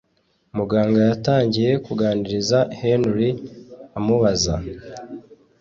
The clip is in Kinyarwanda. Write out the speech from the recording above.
muganga yatangiye kuganiriza Henry amubaza